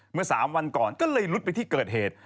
เมื่อ๓วันก่อนก็เลยลุดไปที่เกิดเหตุ